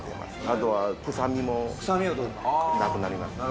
あとは臭みもなくなりますね